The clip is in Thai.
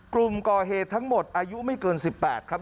กลุ่มก่อเหตุทั้งหมดอายุไม่เกิน๑๘ครับ